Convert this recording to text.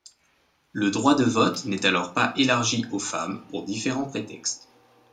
Le droit de vote n'est alors pas élargi aux femmes pour différents prétextes.